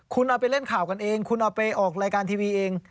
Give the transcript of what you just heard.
คุณเอาไปเล่นข่าวกันเองคุณเอาไปออกรายการทีวีเอง